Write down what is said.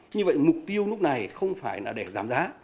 như vậy mục tiêu lúc này không phải là để giảm giá